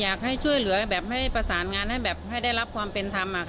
อยากให้ช่วยเหลือแบบให้ประสานงานให้แบบให้ได้รับความเป็นธรรม